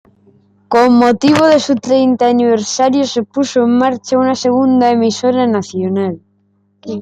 Con motivo de su treinta aniversario se puso en marcha una segunda emisora nacional.